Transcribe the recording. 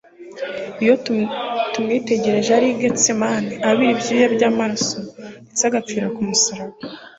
iyo tumwitegereje ari i Getsemane abira ibyuya by' amaraso, ndetse agapfira ku musaraba;